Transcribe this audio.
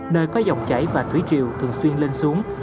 nơi có dòng chảy và thủy triều thường xuyên lên xuống